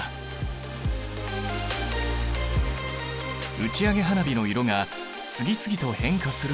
打ち上げ花火の色が次々と変化する秘密。